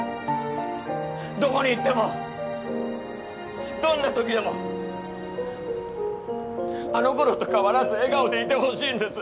どこに行ってもどんなときでもあのころと変わらず笑顔でいてほしいんです。